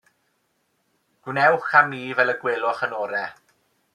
Gwnewch â mi fel y gweloch yn orau.